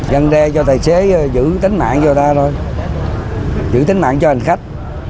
dân đe cho tài xế giữ tính mạng cho ta thôi giữ tính mạng cho hành khách